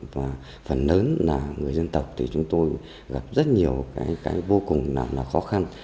và phần lớn là người dân tộc thì chúng tôi gặp rất nhiều cái vô cùng là khó khăn